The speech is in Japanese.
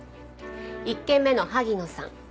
１件目の萩野さん